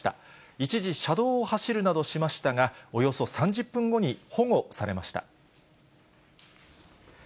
一時、車道を走るなどしましたが、およそ３０分後に保護されました。